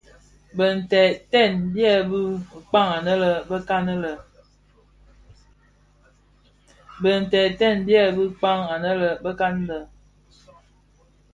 Bintèd nted byebi kpäg anë bekan lè.